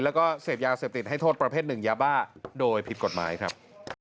แล้วก็เสพยาเสพติดให้โทษประเภทหนึ่งยาบ้าโดยผิดกฎหมายครับ